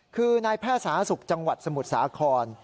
คือนายแพทย์สาธารณสุขจังหวัดสมุทรสาคร